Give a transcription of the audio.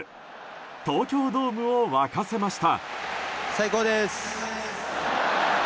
東京ドームを沸かせました。